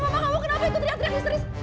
mama kamu kenapa itu teriak teriak